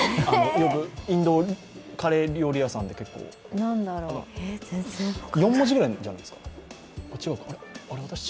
インド料理屋さんで結構４文字ぐらいじゃないですか？